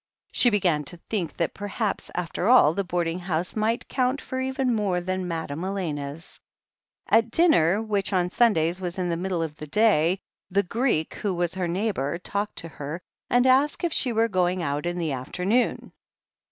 She began to think that, perhaps, after all, the board ing house might count for even more than Madame Elena's. At dinner, which on Sundays was in the middle of THE HEEL OF ACHILLES 119 the day, the Greek, who was her neighbour, talked to her and asked if she were going out in the afternoon.